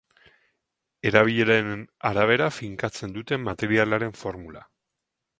Erabileraren arabera finkatzen dute materialaren formula.